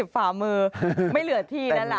อ๋อ๒๐ฝ่ามือไม่เหลือที่นั่นแหละ